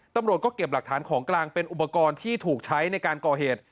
ตำรวจก็เก็บหลักฐานของกลางเป็นอุปกรณ์ที่ถูกใช้ในการก่อเหตุ